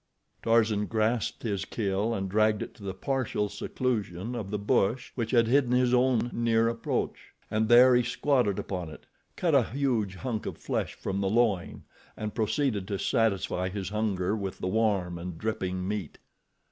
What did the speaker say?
Tarzan grasped his kill and dragged it to the partial seclusion of the bush which had hidden his own near approach, and there he squatted upon it, cut a huge hunk of flesh from the loin and proceeded to satisfy his hunger with the warm and dripping meat.